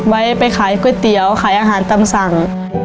ไว้ไปขายก๋วยเตี๋ยวขายอาหารตำสั่ง